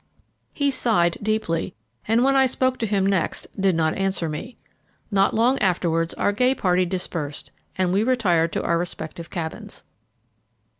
He sighed deeply, and when I spoke to him next did not answer me. Not long afterwards our gay party dispersed, and we retired to our respective cabins.